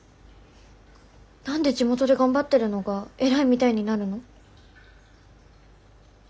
何で地元で頑張ってるのが偉いみたいになるの？